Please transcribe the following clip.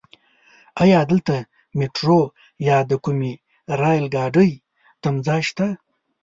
ايا دلته ميټرو يا د کومې رايل ګاډی تمځای شته؟